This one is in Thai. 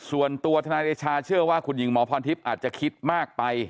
ทนายเดชาเชื่อว่าคุณหญิงหมอพรทิพย์อาจจะคิดมากไป